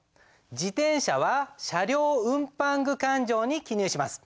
自転車は車両運搬具勘定に記入します。